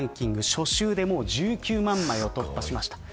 初週で１９万枚を突破しました。